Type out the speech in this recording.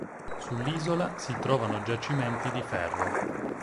Sull'isola si trovano giacimenti di ferro.